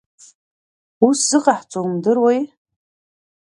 Ус зыҟаҳҵо умдыруеи?